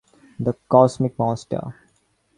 The Cosmic Monster.